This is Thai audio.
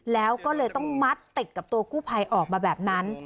แล้วก็เลยต้องมัดติดกับตัวกู้ภัยออกมาแบบนั้น